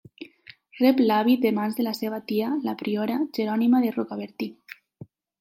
Rep l'hàbit de mans de la seva tia, la priora, Jerònima de Rocabertí.